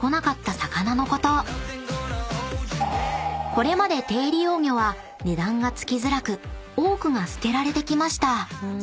［これまで低利用魚は値段が付きづらく多くが捨てられてきました］